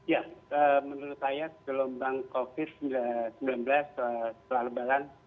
ya menurut saya gelombang covid sembilan belas setelah lebaran